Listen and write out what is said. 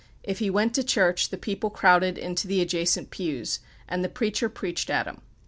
If he went to church the people crowded into the adjacent pews, and the preacher preached at him.